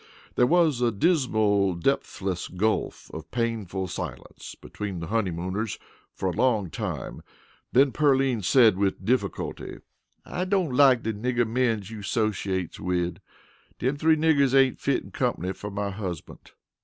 There was a dismal depthless gulf of painful silence between the honeymooners for a long time. Then Pearline said with difficulty: "I don't like de nigger mens you 'socheates wid. Dem three niggers ain't fitten comp'ny fer my husbunt."